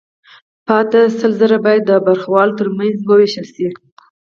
پاتې سل زره باید د برخوالو ترمنځ ووېشل شي